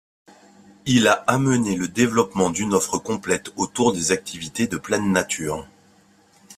Il a amené le développement d'une offre complète autour des activités de pleine nature.